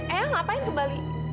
ayang apa yang ke bali